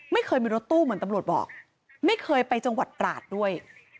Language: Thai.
ไม่เคยมีรถตู้เหมือนตำรวจบอกไม่เคยไปจังหวัดตราดด้วย